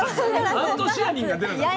アントシアニンが出なかったな。